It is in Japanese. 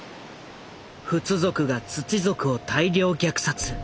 フツ族がツチ族を大量虐殺。